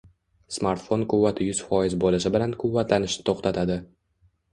Smartfon quvvati yuz foiz bo’lishi bilan quvvatlanishni to’xtatadi.